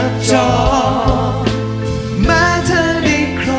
ขอเชิญอาทิตย์สำคัญด้วยค่ะ